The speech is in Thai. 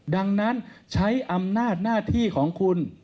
ดังนั้นใช้อำนาจหน้าที่ของคุณ